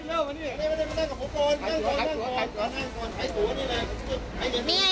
นั่งก่อนถ่ายสู่อันนี้แหละ